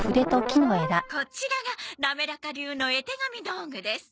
こちらがなめらか流の絵手紙道具です。